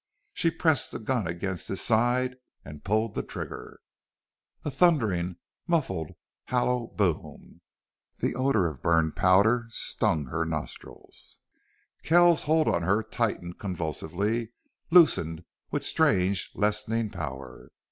She pressed the gun against his side and pulled the trigger. A thundering, muffled, hollow boom! The odor of burned powder stung her nostrils. Kells's hold on her tightened convulsively, loosened with strange, lessening power.